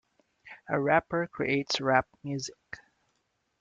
A rapper creates rap music.